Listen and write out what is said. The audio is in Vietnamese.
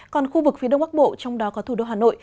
còn khu vực phía đông bắc bộ trong đó có thủ đô hà nội